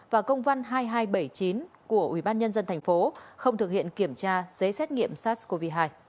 và công văn hai nghìn hai trăm bảy mươi chín của ubnd tp không thực hiện kiểm tra giấy xét nghiệm sars cov hai